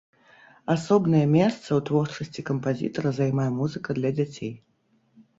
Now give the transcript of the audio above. Асобнае месца ў творчасці кампазітара займае музыка для дзяцей.